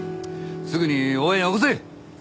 すぐに応援よこせ！